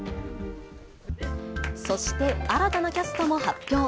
そして新たなキャストも発表。